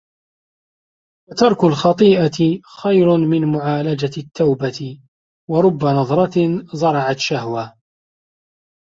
وَتَرْكُ الْخَطِيئَةِ خَيْرٌ مِنْ مُعَالَجَةِ التَّوْبَةِ وَرُبَّ نَظْرَةٍ زَرَعَتْ شَهْوَةً